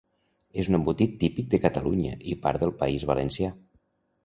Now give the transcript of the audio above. És un embotit típic de Catalunya i part del País Valencià.